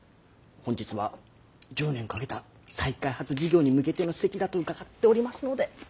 本日は１０年かけた再開発事業に向けての席だと伺っておりますので。